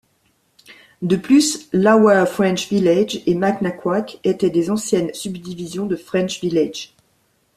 De plus, Lower French Village et Macnaquac était des anciennes subdivisions de French Village.